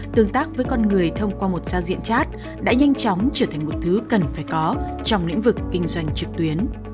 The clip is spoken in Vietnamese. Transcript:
tương tác với con người thông qua một giao diện chat đã nhanh chóng trở thành một thứ cần phải có trong lĩnh vực kinh doanh trực tuyến